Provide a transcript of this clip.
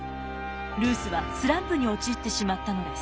ルースはスランプに陥ってしまったのです。